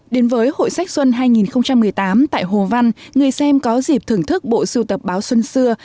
đến với hội sách xuân hai nghìn một mươi tám tại hồ văn người xem có dịp thưởng thức bộ sưu tập báo xuân xưa